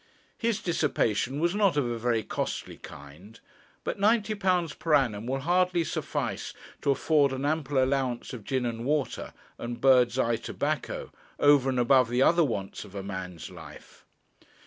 His dissipation was not of a very costly kind; but £90 per annum will hardly suffice to afford an ample allowance of gin and water and bird's eye tobacco, over and above the other wants of a man's life.